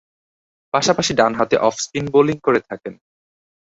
পাশাপাশি ডানহাতে off-spin bowling করে থাকেন।